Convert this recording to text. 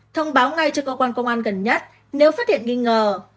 thông báo ngay cho cơ quan công an gần nhất nếu phát hiện nghi ngờ